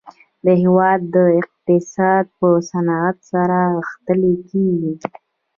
د هیواد اقتصاد په صنعت سره غښتلی کیږي